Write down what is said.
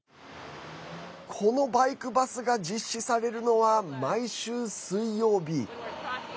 このバイクバスが実施されるのは毎週水曜日。